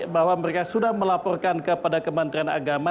bahwa mereka sudah melaporkan kepada kementerian agama